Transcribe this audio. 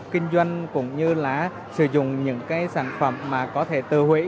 kinh doanh cũng như là sử dụng những cái sản phẩm mà có thể từ hủy